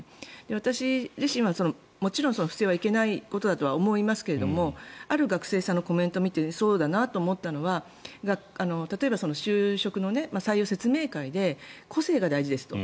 私自身はもちろん不正はいけないことだと思いますがある学生さんのコメントを見てそうだなと思ったのは例えば、就職の採用説明会で個性が大事ですと。